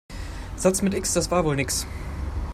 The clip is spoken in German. Satz mit X, das war wohl nix.